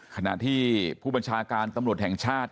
ขณะที่ผู้บัญชาการตำรวจแห่งชาติ